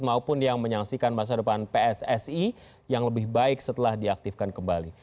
maupun yang menyaksikan masa depan pssi yang lebih baik setelah diaktifkan kembali